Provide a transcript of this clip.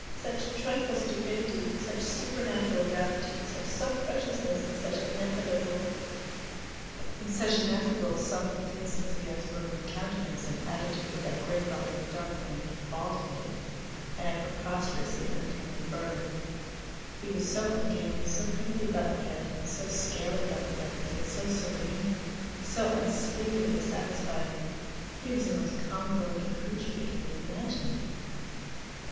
Such tranquil stupidity, such supernatural gravity, such self righteousness, and such ineffable self complacency as were in the countenance and attitude of that gray bodied, dark winged, bald headed, and preposterously uncomely bird! He was so ungainly, so pimply about the head, so scaly about the legs, yet so serene, so unspeakably satisfied! He was the most comical looking creature that can be imagined.